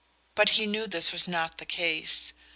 But he knew this was not the case.